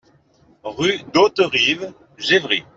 Rue d'Hauterive, Gevry